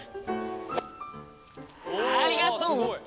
ありがとう。